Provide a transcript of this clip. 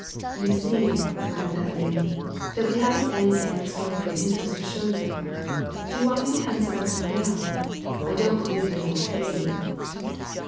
"You see," murmured that lady, "that we haven't anything of extraordinary interest to show you. Do you want me to hand some of them down? I don't believe that it will pay you."